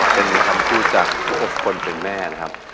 เป็นคำพูดจากทุกคนเป็นแม่นะครับ